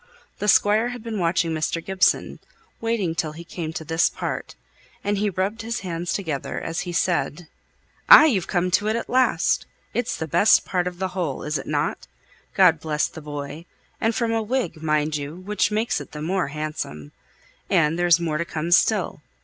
The Squire had been watching Mr. Gibson waiting till he came to this part and he rubbed his hands together as he said, "Ay! you've come to it at last. It's the best part of the whole, isn't it? God bless the boy! and from a Whig, mind you, which makes it the more handsome. And there's more to come still.